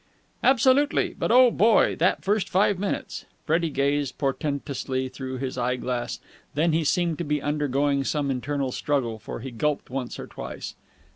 "Absolutely! But, oh, boy! that first five minutes!" Freddie gazed portentously through his eye glass. Then he seemed to be undergoing some internal struggle, for he gulped once or twice.